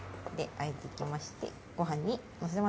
あえていきまして、ごはんにのせます。